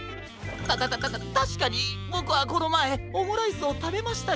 たたたたたたしかにボクはこのまえオムライスをたべましたけど。